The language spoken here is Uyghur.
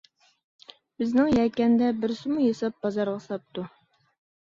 بىزنىڭ يەكەندە بىرسىمۇ ياساپ بازارغا ساپتۇ.